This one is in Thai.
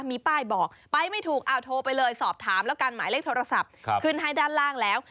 มีป้ายบอกไปไม่ถูกเอาโทรไปเลยสอบถามแล้วกันหมายเลขโทรศัพท์ขึ้นให้ด้านล่างแล้ว